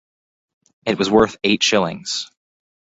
It was worth eight shillings.